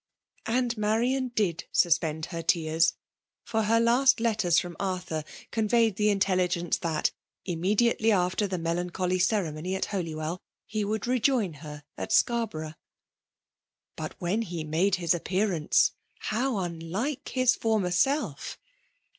*' And Marian did suspend her tears; for her last letters from Arthur conveyed the intelligenoe thai^ imme^ diately after the melancholy ceremony at Holy well, he would rejoin her at Sbarixmnigh. But when he made his appeanmce, how mi* like his former self!